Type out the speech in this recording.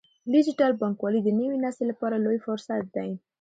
ډیجیټل بانکوالي د نوي نسل لپاره لوی فرصت دی۔